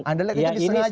andalnya kita disengaja